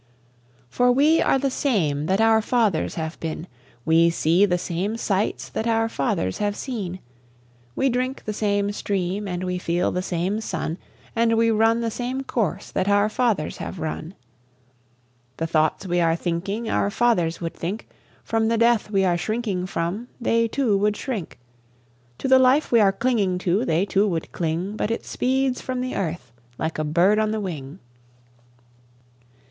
For we are the same that our fathers have been; We see the same sights that our fathers have seen, We drink the same stream, and we feel the same sun, And we run the same course that our fathers have run. The thoughts we are thinking, our fathers would think; From the death we are shrinking from, they too would shrink; To the life we are clinging to, they too would cling; But it speeds from the earth like a bird on the wing.